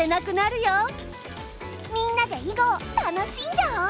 みんなで囲碁を楽しんじゃおう！